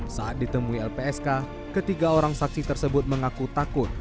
saat ditemui lpsk ketiga orang saksi tersebut mengaku takut